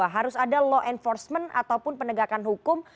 harus ada law enforcement ataupun penegakan hukum